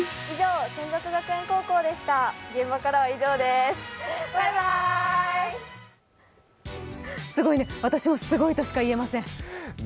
すごい、私もすごいとしか言えません。